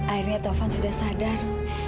akhirnya taufan sudah sadar